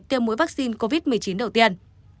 tiêm mũi vaccine covid một mươi chín đầu tiên